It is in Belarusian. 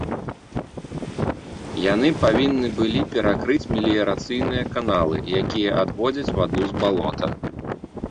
Яны павінны былі перакрыць меліярацыйныя каналы, якія адводзяць ваду з балота.